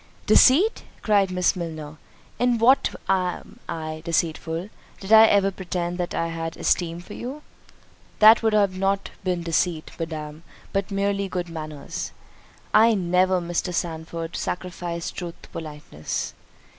"Deceit!" cried Miss Milner, "in what am I deceitful? did I ever pretend that I had an esteem for you?" "That would not have been deceit, Madam, but merely good manners." "I never, Mr. Sandford, sacrificed truth to politeness."